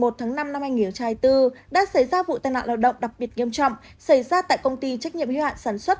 đã xảy ra vụ tai nạn lao động đặc biệt nghiêm trọng xảy ra tại công ty trách nhiệm hạn sản xuất